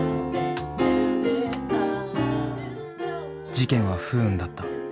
事件は不運だった。